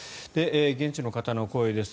現地の方の声です